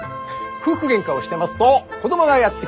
夫婦げんかをしてますと子供がやって来て。